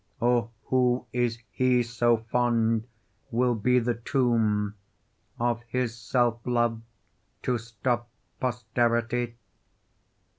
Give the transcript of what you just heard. Or who is he so fond will be the tomb, Of his self love to stop posterity?